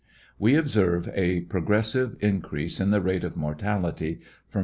We observe a progressive increase of the rate of mortality, from 3.